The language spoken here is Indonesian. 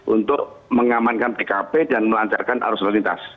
untuk mengamankan tkp dan melancarkan arus lalu lintas